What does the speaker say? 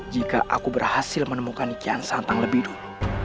jika aku berhasil menemukan nikian santang lebih dulu